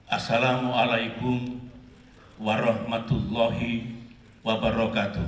assalamu'alaikum warahmatullahi wabarakatuh